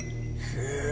へえ！